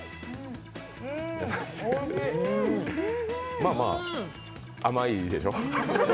まあまあ、甘いでしょ。